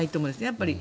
やっぱり。